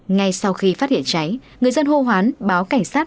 ngay sau khi phát hiện cháy người dân hô hoán báo cảnh sát